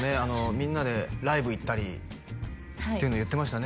みんなでライブ行ったりっていうの言ってましたね